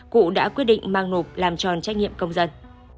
cụ đã quyết định mang nộp làm tròn trách nhiệm công dân